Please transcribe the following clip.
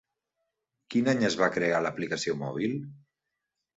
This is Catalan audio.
Quin any es va crear l'aplicació mòbil?